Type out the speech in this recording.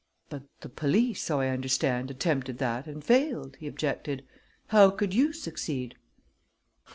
"But the police, so I understand, attempted that and failed," he objected. "How could you succeed?"